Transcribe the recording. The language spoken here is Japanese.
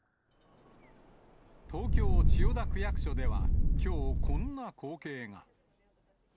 東京・千代田区役所ではきょう、こんな光景が。